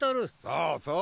そうそう。